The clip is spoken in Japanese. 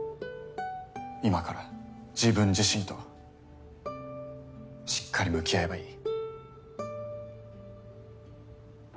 今から自分自身としっかり向き合えばいい。